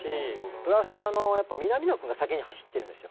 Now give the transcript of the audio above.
プラス、南野君が先に走ってるんですよ。